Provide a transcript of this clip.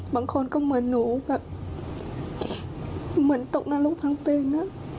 บางคนก็เหมือนหนูแบบเหมือนตกนานลูกทางเป็น